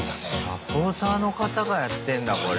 サポーターの方がやってんだこれ。